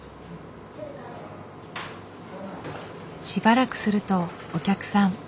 しばらくするとお客さん。